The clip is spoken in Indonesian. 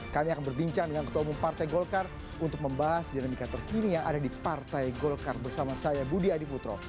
kami akan berbincang dengan ketua umum partai golkar untuk membahas dinamika terkini yang ada di partai golkar bersama saya budi adiputro